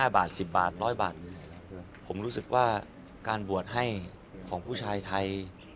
บาท๑๐บาท๑๐๐บาทผมรู้สึกว่าการบวชให้ของผู้ชายไทย